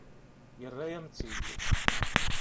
Yerra-yam-tt-id.